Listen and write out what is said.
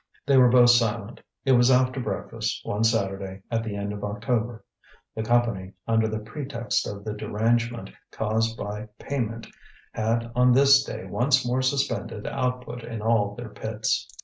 They were both silent. It was after breakfast, one Saturday, at the end of October. The Company, under the pretext of the derangement caused by payment, had on this day once more suspended output in all their pits.